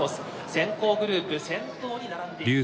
先行グループ先頭に並んでいます。